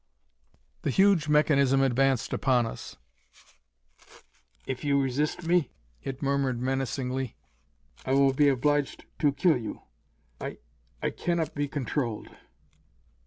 The huge mechanism advanced upon us. "If you resist me," it murmured menacingly, "I will be obliged to kill you. I I cannot be controlled."